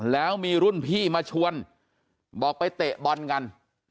แล้วมีรุ่นพี่มาชวนบอกไปเตะบอลกัน